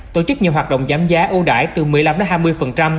tổ chức nhiều hoạt động giảm giá ưu đải từ một mươi năm đến hai mươi